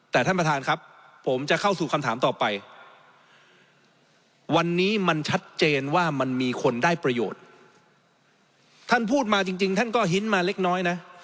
แต่ท่านประธานครับผมจะเข้าสู่คำถามต่อไปวันนี้มันชัดเจนว่ามันมีคนได้ประโยชน์ท่านพูดมาจริงท่านก็ฮินมาเล็กน้อยนะ